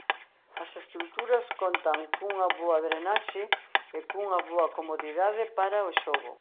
As estruturas contan cunha boa drenaxe e cunha boa comodidade para o xogo.